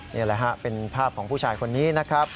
นี่แหละฮะเป็นภาพของผู้ชายคนนี้นะครับ